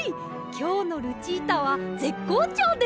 きょうのルチータはぜっこうちょうです！